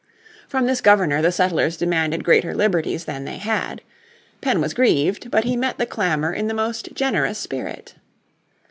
From this Governor the settlers demanded greater liberties than they had. Penn was grieved, but he met the clamour in the most generous spirit.